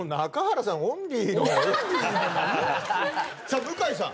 さあ向井さん。